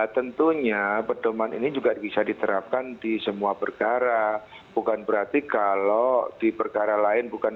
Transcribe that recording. tentunya pedoman ini juga bisa diterapkan di rumah